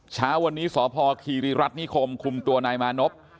เช้าวันนี้สพคีริรัฐนิคมคุมตัวนายมานพ